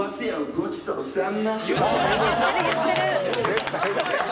「ごちそうさんま」